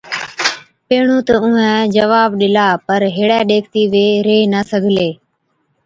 پيهڻُون تہ اُونهَين جواب ڏِلا، پَر هيڙَي ڏيکتِي وي ريه نہ سِگھلي